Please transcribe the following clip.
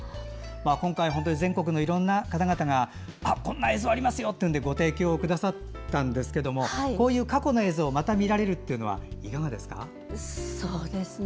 今回、本当に全国のいろんな方々がこんな映像がありますとご提供くださったんですが過去の映像をまた見られるのはいかがですか。